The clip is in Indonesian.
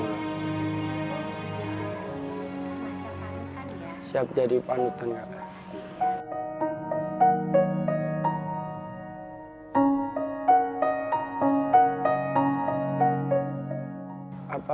saya siap jadi pandutan kak